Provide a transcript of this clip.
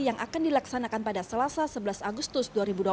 yang akan dilaksanakan pada selasa sebelas agustus dua ribu dua puluh satu